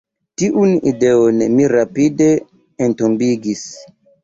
Tiun ideon mi rapide entombigis.